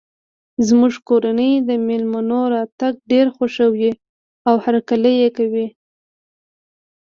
زموږ کورنۍ د مېلمنو راتګ ډیر خوښوي او هرکلی یی کوي